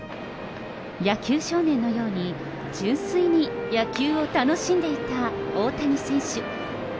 野球少年のように純粋に野球を楽しんでいた大谷選手。